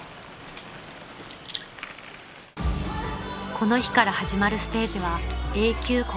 ［この日から始まるステージは］